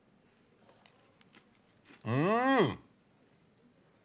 うん！